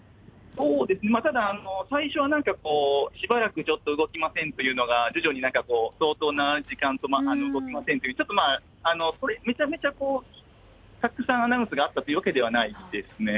ただ、最初はなんかこう、しばらくちょっと動きませんというのが、徐々になんか、相当な時間動きませんという、ちょっと、めちゃめちゃたくさんアナウンスがあったというわけではないです